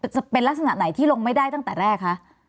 จะเป็นลักษณะไหนที่ลงไม่ได้ตั้งแต่แรกคะ